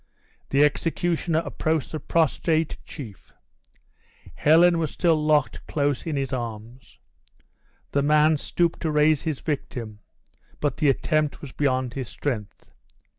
The executioner approached the prostrate chief. Helen was still locked close in his arms. The man stooped to raise his victim, but the attempt was beyond his strength.